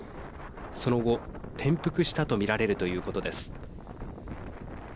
その後、転覆したと見られるということです。